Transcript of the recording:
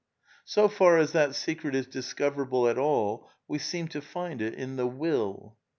So far as that secret is discoverable at all, we seem to find it in the Will.